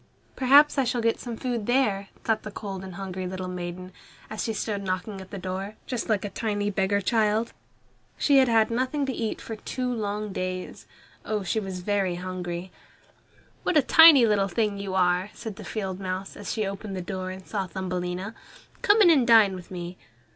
"Perhaps I shall get some food here," thought the cold and hungry little maiden, as she stood knocking at the door, just like a tiny beggar child. She had had nothing to eat for two long days. Oh, she was very hungry! "What a tiny thing you are!" said the field mouse, as she opened the door and saw Thumbelina. "Come in and dine with me."